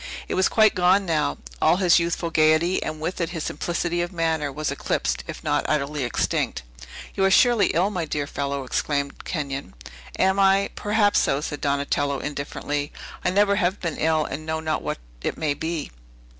It was quite gone now. All his youthful gayety, and with it his simplicity of manner, was eclipsed, if not utterly extinct. "You are surely ill, my dear fellow," exclaimed Kenyon. "Am I? Perhaps so," said Donatello indifferently; "I never have been ill, and know not what it may be."